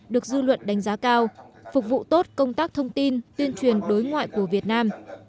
được dư luận đánh giá cao phục vụ tốt công tác thông tin tuyên truyền đối ngoại của việt nam